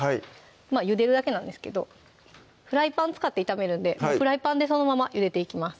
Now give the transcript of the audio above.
まぁゆでるだけなんですけどフライパン使って炒めるんでフライパンでそのままゆでていきます